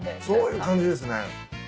そういう感じですね。